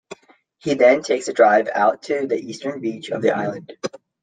He then takes a drive out to the eastern beach of the island.